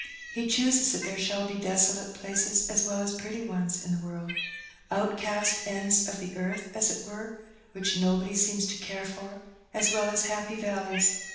He chooses that there shall be desolate places as well as pretty ones in the world; outcast ends of the earth, as it were, which nobody seems to care for, as well as happy valleys.